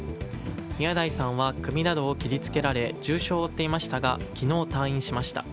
宮台さんは首などを切りつけられ重傷を負っていましたが昨日、退院しました。